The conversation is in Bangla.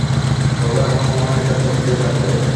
তবে আমার মনে হয় এটা চলতেই থাকবে।